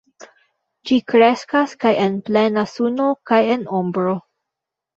Ĝi kreskas kaj en plena suno kaj en ombro.